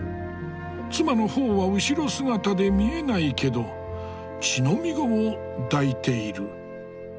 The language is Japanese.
妻の方は後ろ姿で見えないけど乳飲み子を抱いている。